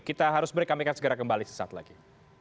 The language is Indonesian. kita harus break kami akan segera kembali sesaat lagi